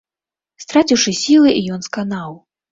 Страціўшы сілы, ён сканаў.